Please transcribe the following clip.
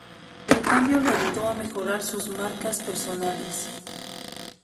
El cambio le ayudó a mejorar sus marcas personales.